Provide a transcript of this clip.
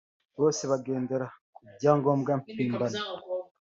bose bagendera ku byangombwa mpimbano